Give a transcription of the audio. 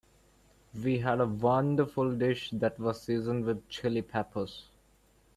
We had a wonderful dish that was seasoned with Chili Peppers.